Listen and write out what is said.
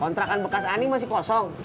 kontrakan bekas ani masih kosong